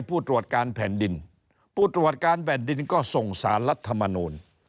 ผู้ตรวจการแผ่นดินผู้ตรวจการแผ่นดินก็ส่งสารรัฐมนูล